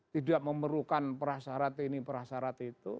tidak memerlukan perasarat ini perasarat itu